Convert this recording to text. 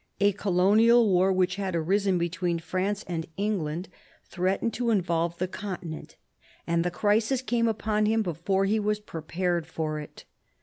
A colonial war, which had arisen between France and England, threatened to involve the continent, and the crisis came upon him before he was prepared for it.